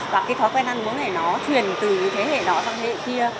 và cái thói quen ăn uống này nó truyền từ thế hệ đó sang thế hệ kia